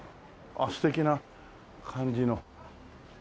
あっ素敵な感じの。